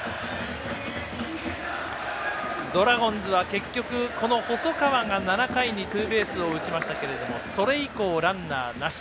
ドラゴンズは結局、この細川が７回にツーベースを打ちましたがそれ以降、ランナーなし。